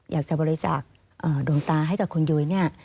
อยากจะบริจาคดวงตาให้กับคุณยุ้ยเนี่ย